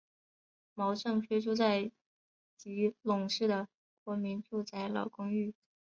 毛振飞住在基隆市的国民住宅老公寓。